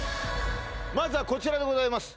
まずはこちらでございます